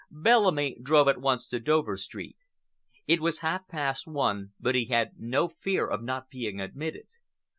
Bellamy drove at once to Dover Street. It was half past one, but he had no fear of not being admitted.